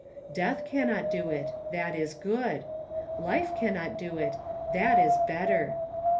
Death cannot do it! that is good! Life cannot do it! that is better!